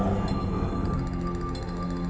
mamah tiri ya